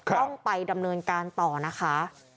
ต้องไปดำเนินการต่อนะคะ